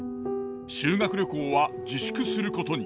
修学旅行は自粛することに。